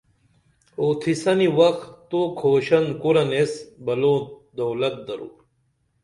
اوتھیسنی وخ تو کھوشن کُرن ایس بلو دولت درو